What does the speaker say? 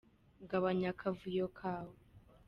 Gabanya akavuyo kawe.